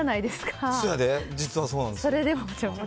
実はそうなんです。